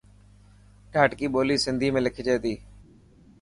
ڌاٽڪي ٻولي سنڌي ۾ لکجي ٿي.